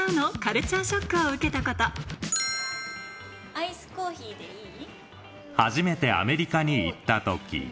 アイスコーヒーでいい？